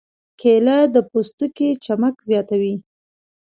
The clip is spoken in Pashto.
کېله د پوستکي چمک زیاتوي.